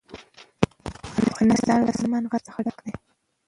افغانستان له سلیمان غر څخه ډک دی.